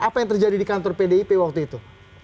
apa yang terjadi di kantor pdip waktu itu